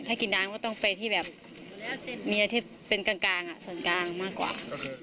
กินน้ำก็ต้องไปที่แบบเมียที่เป็นกลางส่วนกลางมากกว่า